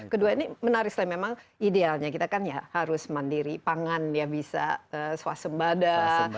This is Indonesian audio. kedua ini menarik sekali memang idealnya kita kan ya harus mandiri pangan ya bisa swasembada